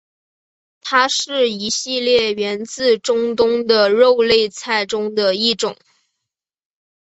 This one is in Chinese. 它是一系列源自中东的肉类菜中的一种。